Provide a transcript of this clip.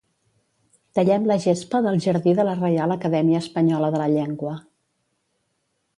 Tallem la gespa del jardí de la Reial Acadèmia Espanyola de la llengua.